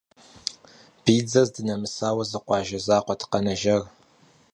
Биидзэр здынэмысауэ зы къуажэ закъуэт къэнэжар.